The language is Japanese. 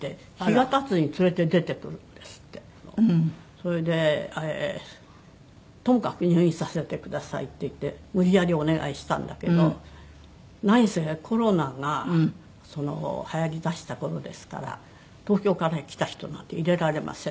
それで「ともかく入院させてください」って言って無理やりお願いしたんだけど何せコロナがはやりだした頃ですから「東京から来た人なんて入れられません」